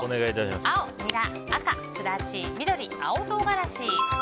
青、ニラ赤、スダチ緑、青唐辛子。